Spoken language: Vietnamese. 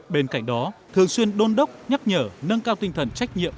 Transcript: bên cạnh đó thường xuyên đôn đốc nhắc nhở nâng cao tinh thần trách nhiệm